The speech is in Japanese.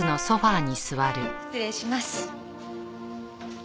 失礼します。